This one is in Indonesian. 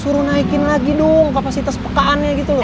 suruh naikin lagi dong kapasitas pekaannya gitu loh